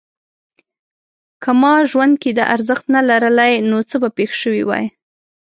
که ما ژوند کې دا ارزښت نه لرلای نو څه به پېښ شوي وای؟